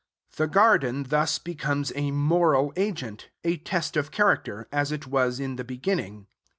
The garden thus becomes a moral agent, a test of character, as it was in the beginning.